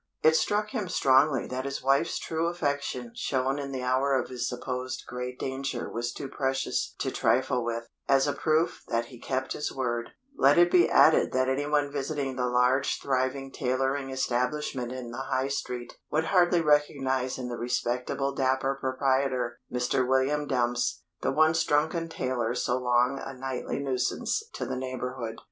It struck him strongly that his wife's true affection shown in the hour of his supposed great danger was too precious to trifle with; as a proof that he kept his word, let it be added that anyone visiting that large thriving tailoring establishment in the High Street, would hardly recognise in the respectable dapper proprietor, Mr. William Dumps, the once drunken tailor so long a nightly nuisance to the neighbourhood.